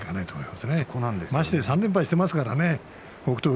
まして３連敗していますからね北勝